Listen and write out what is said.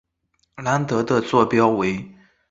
兰德的座标为。